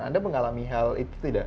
anda mengalami hal itu tidak